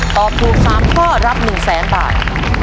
ตอบถูก๓ข้อรับ๑แสนบาท